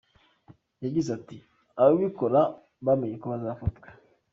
Yagize ati "Ababikora bamenye ko bazafatwa.